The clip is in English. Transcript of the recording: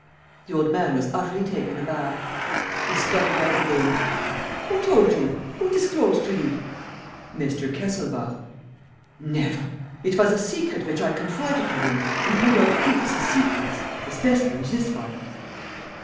The old man was utterly taken aback. He spluttered out again: "Who told you? Who disclosed to you ...?" "Mr. Kesselbach." "Never! It was a secret which I confided to him and Rudolf keeps his secrets ... especially this one